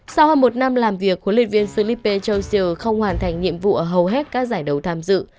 sau hơn một năm làm việc huấn luyện viên philippe johnsier không hoàn thành nhiệm vụ ở hầu hết các giải đấu tham dự